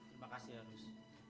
terima kasih ya rus